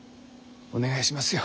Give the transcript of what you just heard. お願いしますよ。